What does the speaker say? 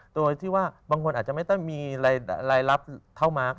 โดยที่ว่าบางคนอาจจะไม่ต้องมีรายรับเท่ามาร์ค